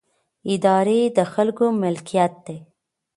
ادارې د خلکو ملکیت دي